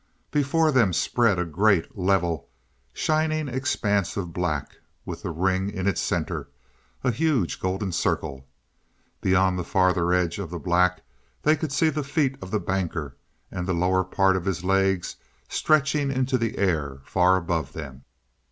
Before them spread a great, level, shining expanse of black, with the ring in its center a huge golden circle. Beyond the farther edge of the black they could see the feet of the banker, and the lower part of his legs stretching into the air far above them.